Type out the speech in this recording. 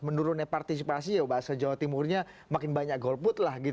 menurunnya partisipasi ya bahasa jawa timurnya makin banyak golput lah gitu